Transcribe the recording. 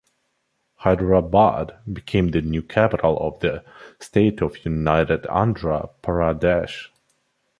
Hyderabad became the new capital of the state of united Andhra Pradesh.